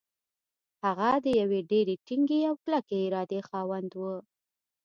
هغه د يوې ډېرې ټينګې او کلکې ارادې خاوند و.